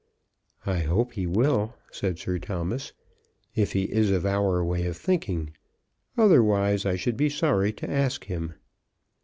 "I hope he will," said Sir Thomas, "if he is of our way cf thinking, otherwise I should be sorry to ask him."